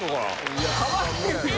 いや変わってるよ。